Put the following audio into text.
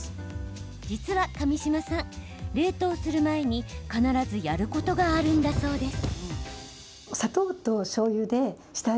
実は上島さん、冷凍する前に必ずやることがあるんだそうです。